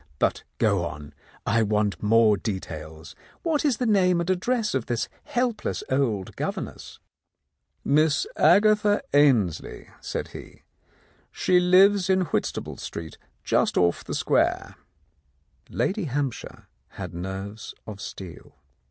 But go on ; I want more details. What is the name and address of this helpless old governess ?" "Miss Agatha Ainslie," said he. "She lives in Whitstaple Street, just off the Square." Lady Hampshire had nerves of steel.